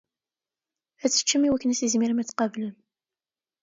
Ad teččem iwakken ad tizmirem ad tqablem.